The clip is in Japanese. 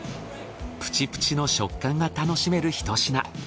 プチプチの食感が楽しめるひと品。